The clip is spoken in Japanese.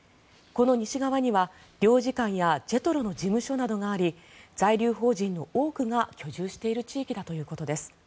この西側には領事館やＪＥＴＲＯの事務所などがあり在留邦人の多くが居住している地域だということです。